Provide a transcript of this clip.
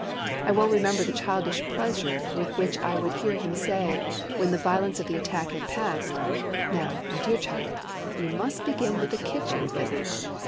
I well remember the childish pleasure with which I would hear him say when the violence of the attack had passed—"Now, my dear child, we must begin with kitchen physic!"